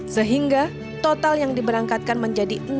sehingga total yang diberangkatkan menjadi enam belas delapan puluh delapan jemaah